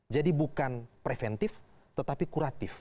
jadi bukan preventif tetapi kuratif